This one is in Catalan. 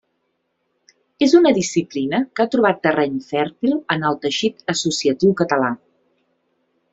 És una disciplina que ha trobat terreny fèrtil en el teixit associatiu català.